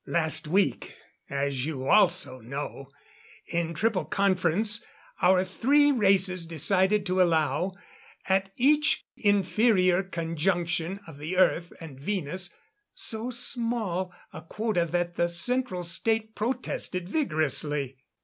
Last week, as you also know, in Triple Conference, our three races decided to allow at each Inferior Conjunction of the Earth and Venus, so small a quota that the Central State protested vigorously.